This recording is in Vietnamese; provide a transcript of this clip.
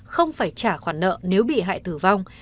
không phải trả khoản nợ nếu bị hại tử vong